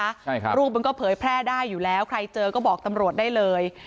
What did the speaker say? ใช่ครับรูปมันก็เผยแพร่ได้อยู่แล้วใครเจอก็บอกตำรวจได้เลย